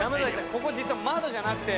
ここ実は窓じゃなくて。